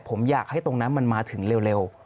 ผมอยากให้ตรงนั้นมันมาถึงเร็ว